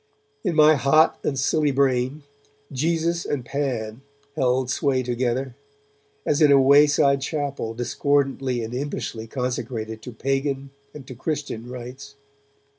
In my hot and silly brain, Jesus and Pan held sway together, as in a wayside chapel discordantly and impishly consecrated to Pagan and to Christian rites.